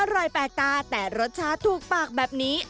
แปลกตาแต่รสชาติถูกปากแบบนี้